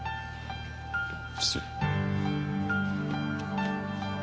失礼。